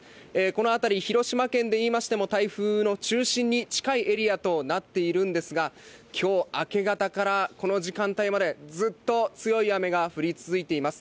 この辺り、広島県でいいましても、台風の中心に近いエリアとなっているんですが、きょう明け方から、この時間帯まで、ずっと強い雨が降り続いています。